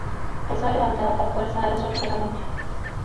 El sol levantaba con fuerza a las ocho de la mañana.